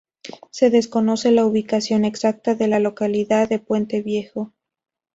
Se desconoce la ubicación exacta de la localidad de "Puente Viejo".